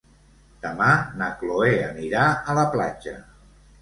Demà na Cloè anirà a la platja.